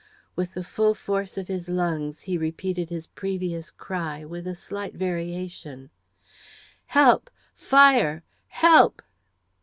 With the full force of his lungs he repeated his previous cry, with a slight variation "Help! Fire! Help!"